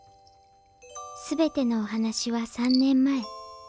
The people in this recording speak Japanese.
すべてのお話は３年前。